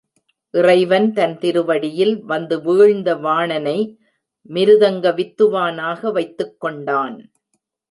இறைவன் தன் திருவிடியில் வந்து வீழ்ந்த வாணனை மிருதங்க வித்து வானாக வைத்துக் கொண்டான்.